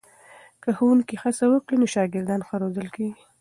که ښوونکي هڅه وکړي نو شاګردان ښه روزل کېږي.